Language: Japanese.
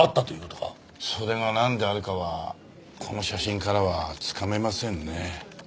それがなんであるかはこの写真からはつかめませんね。